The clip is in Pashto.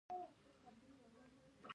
هولمز لیسټرډ ته وویل چې ته خپله پلټنه وکړه.